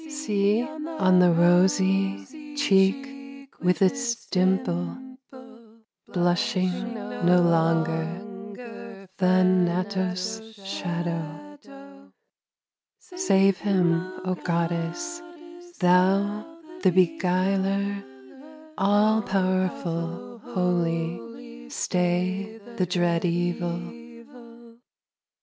See, on the rosy Cheek with its dimple, Blushing no longer, Thanatos' shadow. Save him, O Goddess! Thou, the beguiler, All powerful, holy, Stay the dread evil.